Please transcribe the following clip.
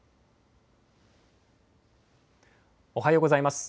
おはようございます。